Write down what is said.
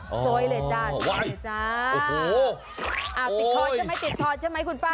โอ้โหติดคอดใช่ใช่ไหมคุณป้า